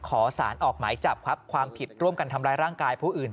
ขอสารออกหมายจับครับความผิดร่วมกันทำร้ายร่างกายผู้อื่น